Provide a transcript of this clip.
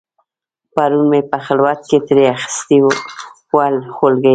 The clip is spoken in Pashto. پرون مې په خلوت کې ترې اخیستې وه خولګۍ